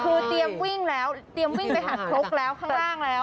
คือเตรียมวิ่งแล้วเตรียมวิ่งไปหัดครกแล้วข้างล่างแล้ว